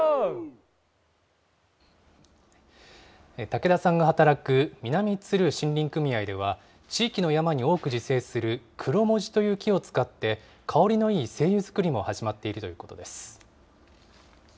竹田さんが働く南都留森林組合では地域の山に多く自生するクロモジという木を使って、香りのいい精油作りも始まっているということです。